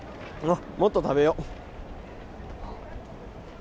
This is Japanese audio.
もっと食べよう。